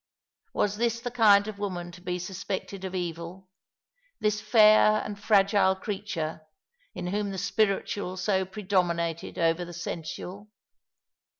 Was this the kind of woman to be suspected of evil — this fair and fragile creature, in whom the spiritual so pre dominated over the sensual